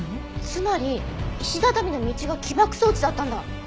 つまり石畳の道が起爆装置だったんだ！